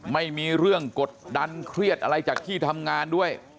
ไม่มีเรื่องกดดันเครียดอะไรจากที่ทำงานด้วย